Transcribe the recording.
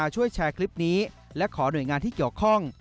ช่วยแชร์คลิปนี้และขอหน่วยงานที่เกี่ยวข้อง